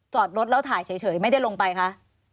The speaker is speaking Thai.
จอดรถแล้วถ่ายเฉยไม่ได้ลงไปคะ